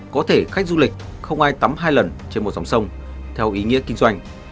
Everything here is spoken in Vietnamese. có thể khách du lịch không ai tắm hai lần trên một dòng sông theo ý nghĩa kinh doanh